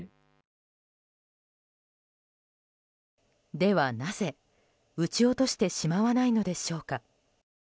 では、なぜ撃ち落としてしまわないのでしょうか。